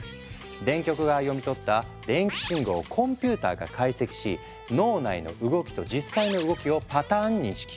電極が読み取った電気信号をコンピューターが解析し脳内の動きと実際の動きをパターン認識。